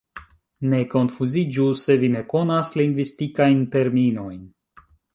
Ne konfuziĝu, se vi ne konas lingvistikajn terminojn.